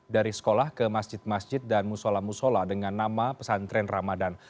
dari sekolah ke masjid masjid dan musola musola dengan nama pesantren ramadan